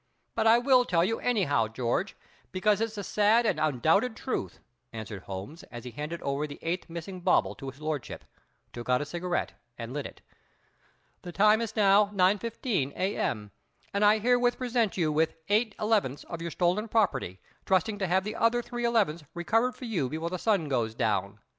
"But I will tell you, anyhow, George, because it's the sad and undoubted truth," answered Holmes, as he handed over the eighth missing bauble to His Lordship, took out a cigarette, and lit it. "The time is now 9:15 a. m., and I herewith present you with eight elevenths of your stolen property, trusting to have the other three elevenths recovered for you before the sun goes down.